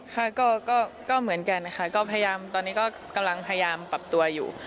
ค่ะก็เหมือนกันตอนนี้กำลังภายามปรับตัวอยู่